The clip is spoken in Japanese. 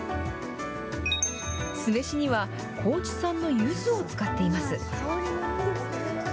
酢飯には、高知産のユズを使っています。